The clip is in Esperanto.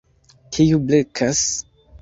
Kiu blekas?